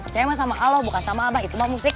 percaya sama allah bukan sama abah itu mah musik